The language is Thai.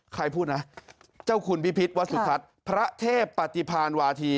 ใครพูดนะเจ้าคุณพิพิษวัสสุทัศน์พระเทพปฏิพาณวาธี